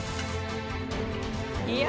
いや！